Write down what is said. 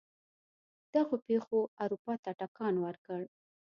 دغو پېښو اروپا ته ټکان ورکړ.